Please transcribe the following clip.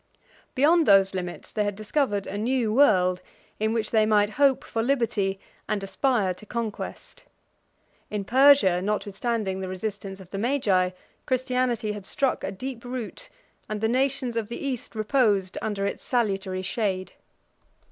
Beyond those limits they had discovered a new world, in which they might hope for liberty, and aspire to conquest. In Persia, notwithstanding the resistance of the Magi, Christianity had struck a deep root, and the nations of the East reposed under its salutary shade.